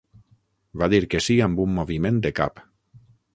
Va dir que sí amb un moviment de cap.